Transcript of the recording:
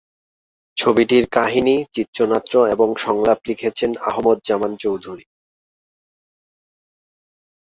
ছবিটির কাহিনী, চিত্রনাট্য এবং সংলাপ লিখেছেন আহমদ জামান চৌধুরী।